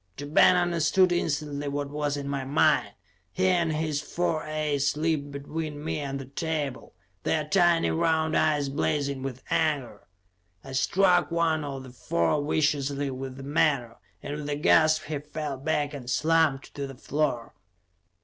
Ja Ben understood instantly what was in my mind. He and his four aides leaped between me and the table, their tiny round eyes blazing with anger. I struck one of the four viciously with the menore, and with a gasp he fell back and slumped to the floor.